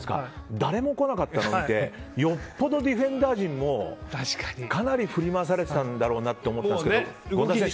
誰も来なかったのを見てよっぽどディフェンダー陣もかなり振り回されてたんだろうなと思ってたんですけど権田選手